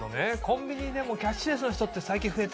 コンビニでもキャッシュレスの人って最近増えたよね。